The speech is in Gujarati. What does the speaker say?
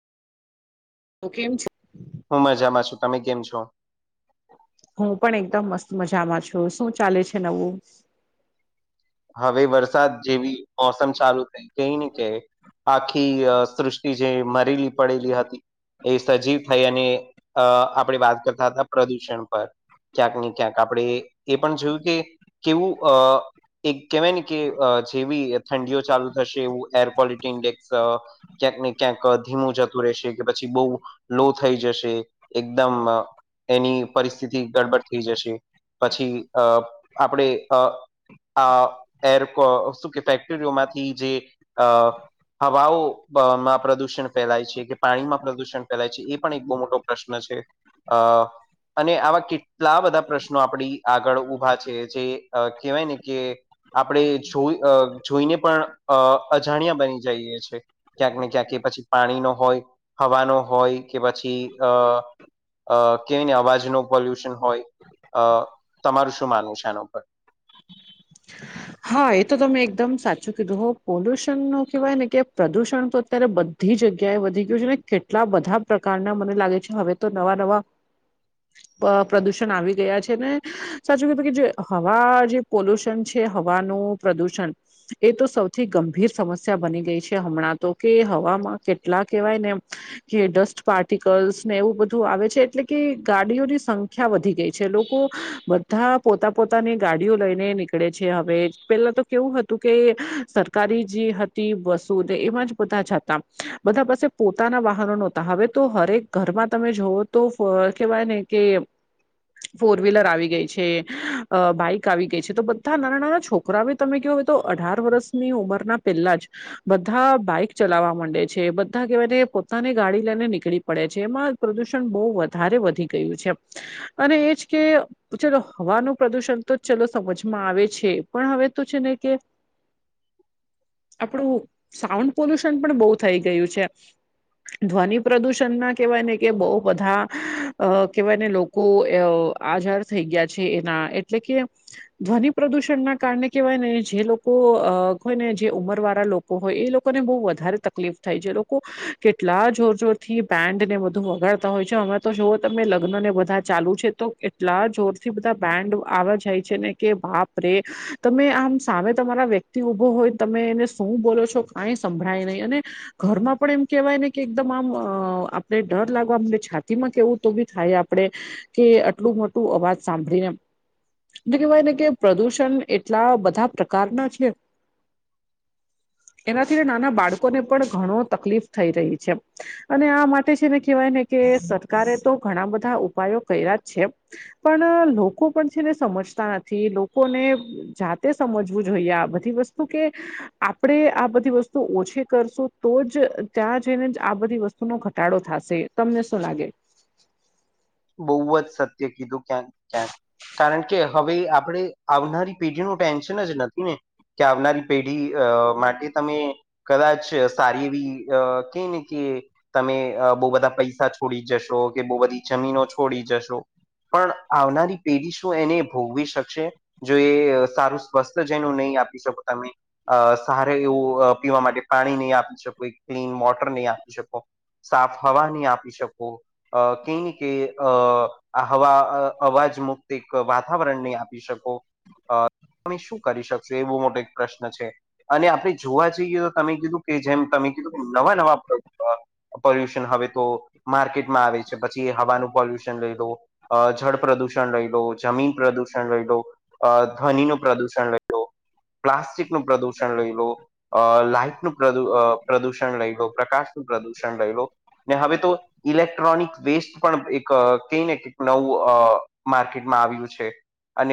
ઓ કેમ છ હું મજામાં છું. તમે કેમ છો? હું પણ એકદમ મસ્ત મજામાં છું. શું ચાલે છે નવું? હવે વરસાદ જેવી મોસમ ચાલુ થઈ કઈ ની કે. આખી સૃષ્ટિ જે મરેલી પડેલી હતી. એ સજીવ થઈ અને અ આપણે વાત કરતા હતા પ્રદૂષણ પર. ક્યાંક ને ક્યાંક આપણેે એ પણ જોયું કે કેવું અ એક કેહેવાય ને કે અ જેવી ઠંડીઓ ચાલુ થશે એવું એર ક્વોલિટી ઇન્ડેક્સ અ ક્યાંક ને ક્યાંક ધીમું જતું રેશે કે પછી બહુ લો થઈ જશે એકદમ અ એની પરિસ્થિતિ ગડબડ થઈ જશે. પછી અ આપણે અ આ એર ક શું કે ફેક્ટરીઓમાંથી જે અ હવાઓમાં પ્રદૂષણ ફેલાય છે કે, પાણીમાં પ્રદુષણ ફેલાય છે, એ પણ એક બહુ મોટો પ્રશ્ન છે. અ અને આવા કેટલા બધા પ્રશ્નો આપડી આગળ ઉભા છે જે અ કહેવાય ને કે આપણે જોઈ અ જોઈને પણ અ અજાણ્યા બની જાઈએ છે. ક્યાંક ને ક્યાંક એ પછી પાણીનો હોય, હવાનો હોય કે, પછી અ અ કેઈ ને અવાજનું પોલ્યુશન હોય અ, તમારું શું માનવું છે આના ઉપર? હા એ તો તમે એકદમ સાચું કીધું હો. પોલ્યુશનનો કહેવાય ને કે પ્રદુષણ તો અત્યારે બધ બધી જગ્યાએ વધી ગયું છે. ને કેટલા બધા પ્રકારના મને લાગે છે હવે તો નવા નવા [inaudible] અ પ્રદુષણ આવી ગયા છે ને સાચું કીધું કે જે હવા જે પોલ્યુશન છે. હવાનું પ્રદૂષન. એ તો સૌથી ગંભીર સમસ્યા બની ગઈ છે. હમણાં તો કે હવામાં કેટલા કહેવાય ને કે ડસ્ટ પાર્ટિકલ્સને એવું બધું આવે છે. એટલે કે ગાડીઓની સંખ્યા વધી ગઈ છે લોકો બધા પોતા પોતાની ગાડીઓ લઈ ને નીકળે છે હવે. પેલા તો કેવું હતું કે, સરકારી જે હતી બસુને એમાં જ બધા જાતા. બધા પાસે પોતાના વાહનો નોતા. હવે તો હરેક ઘરમાં તમે જોવો તો કેવાય ને કે ફોર વ્હીલર આવી ગઈ છે, અ બાઈક આવી ગઈ છે. તો બધ ધા નાના નાના છોકરાએ તમે કયો તો, અઢાર વર્ષની ઉંમરના પહેલા જ. બધા બાઈક ચલાવા માંડે છે. બધા કહેવાય ને પોતાની ગાડી લઈને નીકળી પડે છે. એમાં પ્રદૂષણ બહુ વધારે વધી ગયું છે. અને એજ કે, ચલો હવાનું પ્રદુષણ તો ચલો સમજ માં આવે છે. પણ હવે તો છે ને કે આપણું સાઉન્ડ પોલ્યુશન પણ બહુ થઈ ગયું છે. ધ્વનિ પ્રદૂષણના કહેવાય ને કે, બહુ બધા અ કહેવાય ને લોક કો એ આઝાર થઈ ગયા છે એના એટલે કે ધ્વનિ પ્રદુષણના કારણે કેવાય ને, જે લોકો અ હોય ને જે ઉંમરવારા લોક કો હોય એ લોકોને બહુ વધારે તકલીફ થાય જે લોકો કેટલા જોર જોરથી. બેન્ડ ને બધું વગાડતા હોય છે. અમે તો જોઓ તમે લગ્ન ને બધા ચાલુ છે તો. એટલા જોરથી બધા બેન્ડ આવા જાય છે ને. કે બાપ રે! તમે આમ સામે તમારા વ્યક્તિ ઉભો હોય ન તમે એને શું બોલો છો કાઈ સંભળાય નહીં અને ઘરમાં પણ એમ કેવાય ને કે, એકદમ આમ આપણે ડર લાગવા આમને. છાતી માં કેવું? તો બી થાય આપે કે. આટલું મોટું અવાજ સાંભળીને. કેવાય ને કે પ્રદૂષણ એટલા બધા પ્રકારના છે. એનાથી નાના બાળકોને પણ ઘણો તકલીફ થઈ રહી છે. અને આ માટે છે ને કેહેવાય ને કે, સરકારે તો ઘણા બધા ઉપાયો કર્યા જ છે. પણ લોકો પણ છે ને સમજ. નથી લોકોને જાતે સમજવું જોઈએ. બધી વસ્તુ કે. આપણે આ બધી વસ્તુ ઓછી કરશું, તો જ ત્યાં જઈને જ આ બધી વસ્તુ. નો ઘટાડો થશે તમને શું લાગે બહુ જ સત્ય કીધું ક્યાંક ક્યાંક કારણ કે હવે આપણે આવનારી પેઢી ન ટેન્શન જ નથી ને કે આવનારી પેઢી અ માટે તમે. કદાચ સારી એવી કે ને કે. તમે બહુ બધા પૈસા છોડી જશો. કે બહુ બધી જમીનો છોડી જશો. પણ આવનારી પેઢી શું એને ભોગવી શકશે? જો એ સારું સ્વસ્થ જેનું નહી આપી શકો તમે. અ સારે એવું પીવા માટે પાણી નહી આપી શકો. ક્લીન વોટર નહી આપી શકો. સાફ હવા નહી આપી શકો. કઈ કે અ હવા અવાજ મુક્ત એક વાતાવરણને આપી શકો. અ તમે શું કરી શકશો? એ બુ મોટો એક પ્રશ્ન છે. અને આપણે જોવા જઈએ તો, તમે કીધું કે જેમ તમે કીધું કે નવા નવા. પોલ્યુશન હવે તો માર્કેટમાં આવે છે. પછી જે હવાનું પોલ્યુષન લઈ લો. જળ પ્રદુષણ લઈ લો. જમીન પ્રદુષણ લઈ લો. અ ધ્વનિનું પ્રદુષણ લઈ લો પ્લાસ્ટિકનું પ્રદુષણ લઈ લો અ લાઈટનું પ્રદુષણ લઈ લો પ્રકાશનું પ્રદુષણ લઈ લો ને હવે તો ઇલેક્ટ્રોનિક વેસ્ટ પણ એક કઈ ને કક નવું માર્કેટમાં આવ્યું છે અને